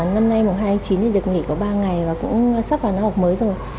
năm nay mùng hai tháng chín thì được nghỉ có ba ngày và cũng sắp vào năm học mới rồi